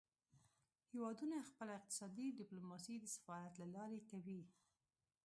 هیوادونه خپله اقتصادي ډیپلوماسي د سفارت له لارې کوي